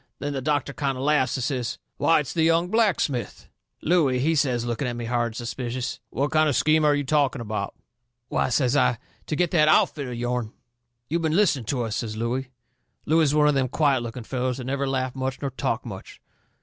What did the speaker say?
Then the doctor kind o' laughs and says: "Why, it's the young blacksmith!" Looey, he says, looking at me hard and suspicious: "What kind of a scheme are you talking about?" "Why," says I, "to get that outfit of yourn." "You've been listening to us," says Looey. Looey was one of them quiet looking fellers that never laughed much nor talked much.